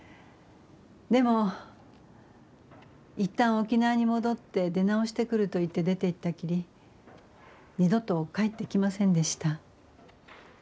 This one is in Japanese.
でも一旦沖縄に戻って出直してくると言って出ていったきり二度と帰ってきませんでした。